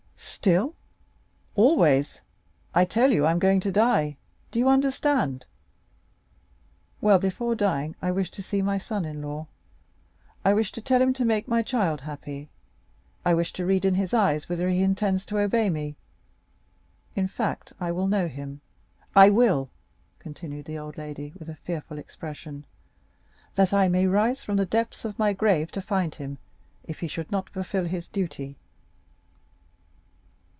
"Still?—Always! I tell you I am going to die—do you understand? Well, before dying, I wish to see my son in law. I wish to tell him to make my child happy; I wish to read in his eyes whether he intends to obey me;—in fact, I will know him—I will!" continued the old lady, with a fearful expression, "that I may rise from the depths of my grave to find him, if he should not fulfil his duty!"